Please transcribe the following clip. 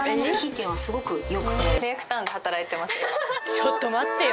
ちょっと待ってよ。